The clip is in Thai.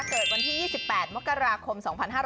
เกิดวันที่๒๘มกราคม๒๕๕๙